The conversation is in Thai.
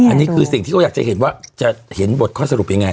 อันนี้คือสิ่งที่เขาอยากจะเห็นว่าจะเห็นบทข้อสรุปยังไง